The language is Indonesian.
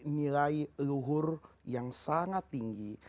nilai luhur yang sangat tinggi